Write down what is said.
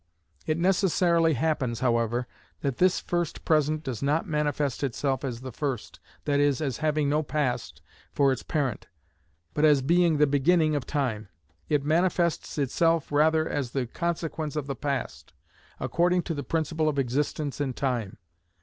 It necessarily happens, however, that this first present does not manifest itself as the first, that is, as having no past for its parent, but as being the beginning of time. It manifests itself rather as the consequence of the past, according to the principle of existence in time.